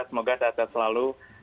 semoga sehat sehat selalu